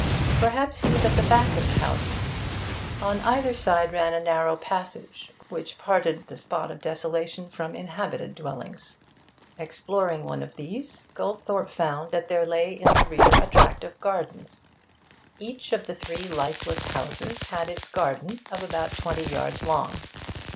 Perhaps he was at the back of the houses? On either side ran a narrow passage, which parted the spot of desolation from inhabited dwellings. Exploring one of these, Goldthorpe found that there lay in the rear a tract of gardens. Each of the three lifeless houses had its garden of about twenty yards long.